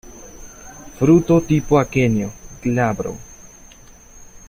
Fruto tipo aquenio, glabro.